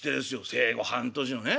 生後半年のね